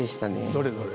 どれどれ。